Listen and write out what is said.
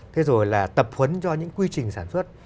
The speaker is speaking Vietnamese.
thế rồi là tập huấn cho những quy trình sản xuất